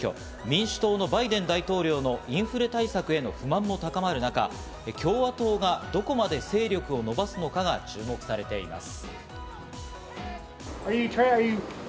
民主党のバイデン大統領のインフレ対策への不満も高まる中、共和党がどこまで勢力を伸ばすのかが注目されています。